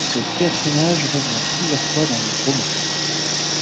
Ce personnage revient plusieurs fois dans le roman.